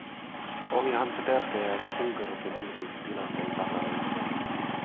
Olihan se tärkeää, että punkerokin pysyisi tilanteen tasalla.